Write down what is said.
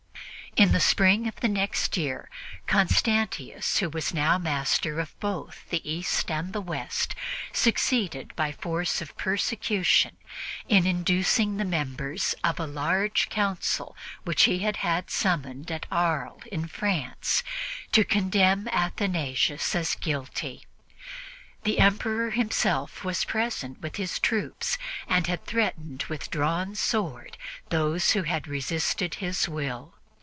In the spring of the next year, Constantius, who was now master of both the East and the West, succeeded by force of persecution in inducing the members of a large council, which he had had summoned at Arles in France, to condemn Athanasius as guilty. The Emperor himself was present with his troops and threatened with drawn sword those who resisted his will.